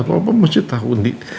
papa mau ketemu undi